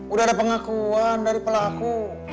udah ada pengakuan dari pelaku